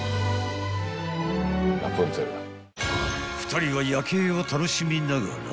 ［２人は夜景を楽しみながら］